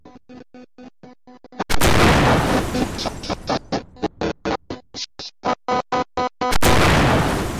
কাকতীয় রাজবংশের শাসনকালে তেলেঙ্গানায় এর সূত্রপাত ও সমৃদ্ধি ঘটে।